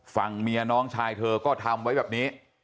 ฝั่งเมียน้องชายเธอก็ทำไว้แบบนี้